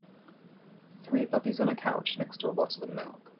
Three puppies on a couch next to a bottle of milk.